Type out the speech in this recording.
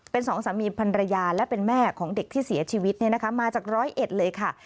เป็นสองสามีพันรยาและเป็นแม่ของเด็กที่เสียชีวิตมาจากร้อยเอ็ดเลยค่ะ